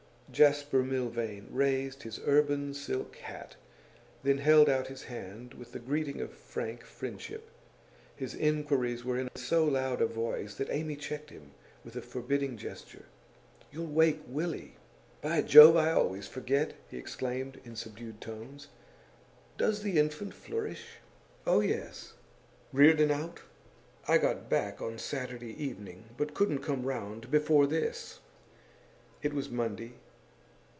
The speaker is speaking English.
Jasper Milvain raised his urban silk hat, then held out his hand with the greeting of frank friendship. His inquiries were in so loud a voice that Amy checked him with a forbidding gesture. 'You'll wake Willie!' 'By Jove! I always forget,' he exclaimed in subdued tones. 'Does the infant flourish?' 'Oh, yes!' 'Reardon out? I got back on Saturday evening, but couldn't come round before this.' It was Monday.